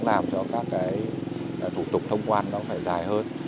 làm cho các cái thủ tục thông quan nó phải dài hơn